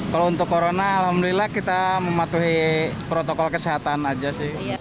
kalau untuk corona alhamdulillah kita mematuhi protokol kesehatan aja sih